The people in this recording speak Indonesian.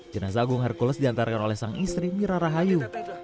jenazah agung hercules diantarkan oleh sang istri mira rahayu